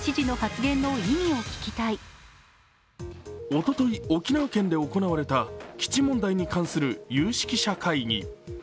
おととい、沖縄県で行われた基地問題に関する有識者会議。